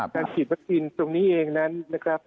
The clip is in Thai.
ฉีดวัคซีนตรงนี้เองนั้นนะครับ